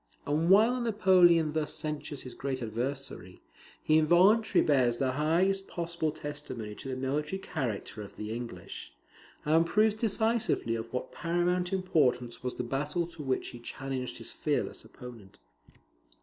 And while Napoleon thus censures his great adversary, he involuntarily bears the highest possible testimony to the military character of the English, and proves decisively of what paramount importance was the battle to which he challenged his fearless opponent.